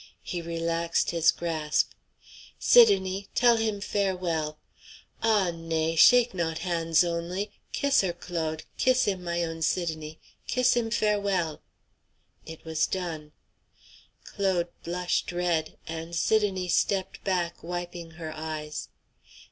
He relaxed his grasp. "Sidonie! tell him farewell! ah! nay! shake not hands only! Kiss her, Claude! Kiss him, my own Sidonie, kiss him farewell!" It was done. Claude blushed red, and Sidonie stepped back, wiping her eyes.